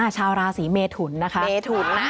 ชาวราศีเมทุนนะคะ